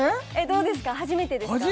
どうですか初めてですか？